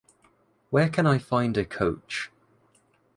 Where can I find a coach?